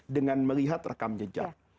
dengan melihat rekam jejak